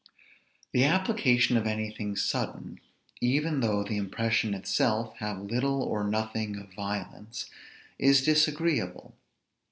The application of anything sudden, even though the impression itself have little or nothing of violence, is disagreeable.